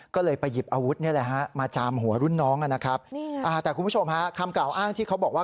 ก็เลยไปหยิบอาวุธมาจามหัวรุ่นน้องแต่คุณผู้ชมคำกล่าวอ้างที่เขาบอกว่า